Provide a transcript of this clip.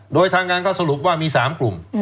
โดยทางงานก็สรุปว่ามี๓กลุ่ม